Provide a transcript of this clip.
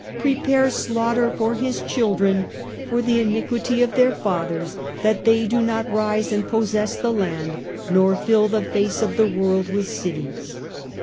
" Prepare slaughter for his children for the iniquity of their fathers ; that they do not rise and possess the land, nor fill the face of the world with cities."